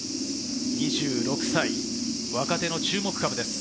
２６歳、若手の注目株です。